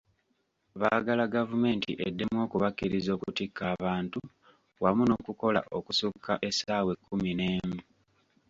Baagala gavumenti eddemu okubakkiriza okutikka abantu wamu n'okukola okusukka essaawa ekkumi n'emu.